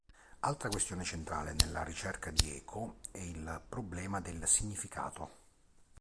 Altra questione centrale nella ricerca di Eco è il problema del significato.